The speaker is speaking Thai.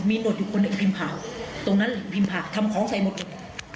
มีโน่นอยู่ข้างในอีกพิมพาตรงนั้นอีกพิมพาทำของใส่หมดเลย